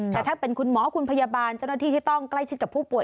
แต่ถ้าเป็นคุณหมอคุณพยาบาลเจ้าหน้าที่ที่ต้องใกล้ชิดกับผู้ป่ว